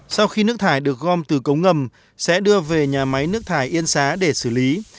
sau khi nước thải được gom từ cống ngầm sẽ đưa về nhà máy nước thải yên xá để xử lý